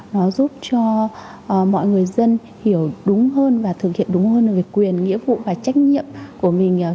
nó giúp cho mọi người dân hiểu đúng hơn và thực hiện đúng hơn về quyền nghĩa vụ và trách nhiệm của mình